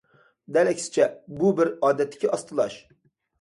دەل ئەكسىچە، بۇ بىر ئادەتتىكى ئاستىلاش.